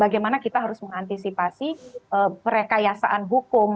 bagaimana kita harus mengantisipasi perkayasaan hukum